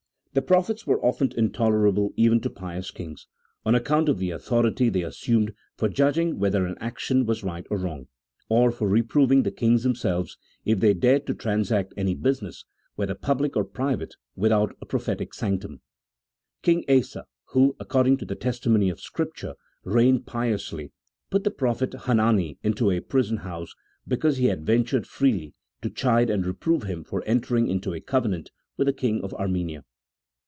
The prophets were often intoler able even to pious kings, on account of the authority they assumed for judging whether an action was right or wrong, or for reproving the kings themselves if they dared to transact any business, whether public or private, without prophetic sanction. King Asa who, according to the tes timony of Scripture, reigned piously, put the prophet Hanani into a prison house because he had ventured freely to chide and reprove him for entering into a covenant with the king of Armenia.